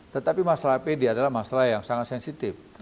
tetapi masalah apd adalah masalah yang sangat sensitif